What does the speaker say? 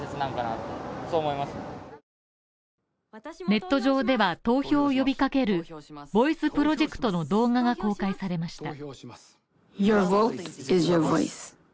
ネット上では、投票を呼びかける「ＶＯＩＣＥＰＲＯＪＥＣＴ」の動画が公開されました。